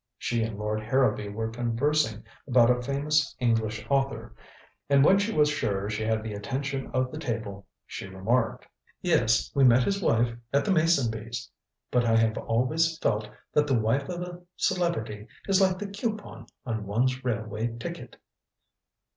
She and Lord Harrowby were conversing about a famous English author, and when she was sure she had the attention of the table, she remarked: "Yes, we met his wife at the Masonbys'. But I have always felt that the wife of a celebrity is like the coupon on one's railway ticket."